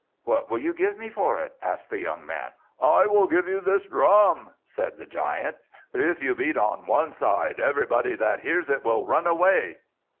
"What will you give me for it?" asked the young man. "I will give you this drum," said the giant. "If you beat on one side, everybody that hears it will run away."